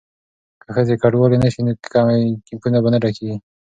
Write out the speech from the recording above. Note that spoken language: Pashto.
که ښځې کډوالې نه شي نو کیمپونه به نه ډکیږي.